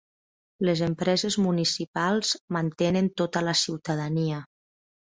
Les empreses municipals mantenen tota la ciutadania.